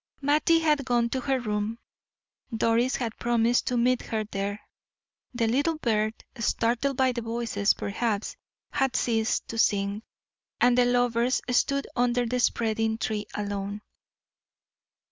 Mattie had gone to her room; Doris had promised to meet her there. The little bird, startled by the voices perhaps, had ceased to sing; and the lovers stood under the spreading tree alone.